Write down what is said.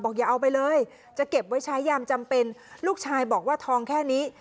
อย่าเอาไปเลยจะเก็บไว้ใช้ยามจำเป็นลูกชายบอกว่าทองแค่นี้